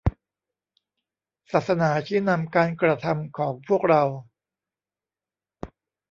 ศาสนาชี้นำการกระทำของพวกเรา